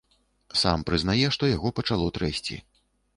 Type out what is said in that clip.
Сам прызнае, што яго пачало трэсці.